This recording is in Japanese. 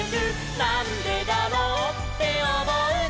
「なんでだろうっておもうなら」